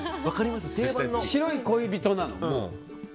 白い恋人なの？